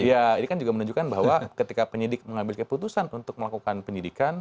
iya ini kan juga menunjukkan bahwa ketika penyidik mengambil keputusan untuk melakukan penyidikan